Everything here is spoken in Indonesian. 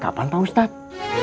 kapan pak ustadz